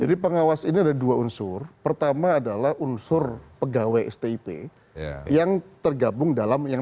jadi pengawas ini ada dua unsur pertama adalah unsur pegawai stip yang tergabung dalam yang